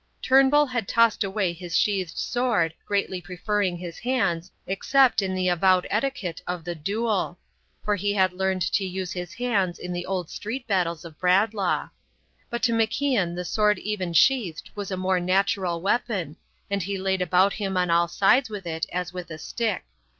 Turnbull had tossed away his sheathed sword, greatly preferring his hands, except in the avowed etiquette of the duel; for he had learnt to use his hands in the old street battles of Bradlaugh. But to MacIan the sword even sheathed was a more natural weapon, and he laid about him on all sides with it as with a stick.